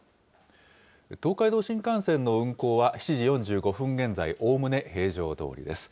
東海道新幹線の運行は７時４５分現在、おおむね平常どおりです。